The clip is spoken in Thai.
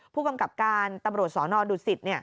ผู้กำกับการตำรวจสนดุสิต